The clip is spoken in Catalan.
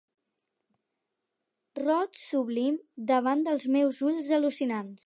Roig sublim davant dels meus ulls al·lucinats.